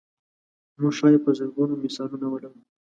موږ ښایي په زرګونو مثالونه ولرو.